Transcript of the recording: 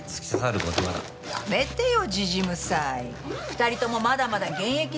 ２人ともまだまだ現役でしょ。